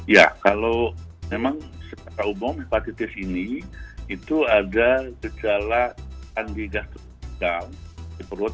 ya kalau memang sepakat umum hepatitis ini itu ada gejala angigastrofisikal di perut